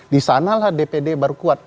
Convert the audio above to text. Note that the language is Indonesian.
di sanalah dpd baru kuat